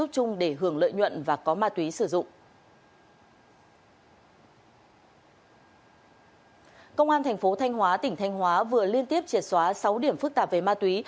công an tp thanh hóa tỉnh thanh hóa vừa liên tiếp chiệt xóa sáu điểm phức tạp về ma túy